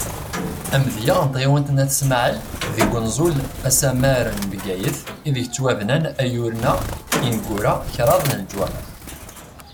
Amedya n tɣiwant n Ayt Smaɛel, deg Unẓul-asamar n Bgayet, ideg ttwabnan, ayyuren-a ineggura, kraḍ n leǧwamaɛ.